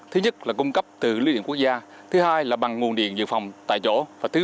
thứ nhất là cung cấp từ lưới điện quốc gia thứ hai là bằng nguồn điện dự phòng tại chỗ và thứ